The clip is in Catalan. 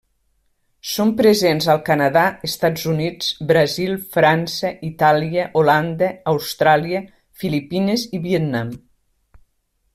Són presents al Canadà, Estats Units, Brasil, França, Itàlia, Holanda, Austràlia, Filipines i Vietnam.